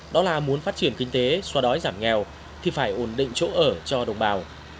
đó là muốn phát triển kinh tế xoa đói giảm nghèo thì phải ổn định chỗ ở cho đồng bào